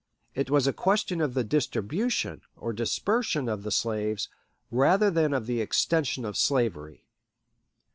It was a question of the distribution, or dispersion, of the slaves, rather than of the "extension of slavery."